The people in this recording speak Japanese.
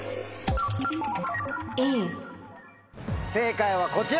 正解はこちら。